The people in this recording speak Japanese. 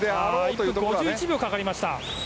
１分５１秒かかりました。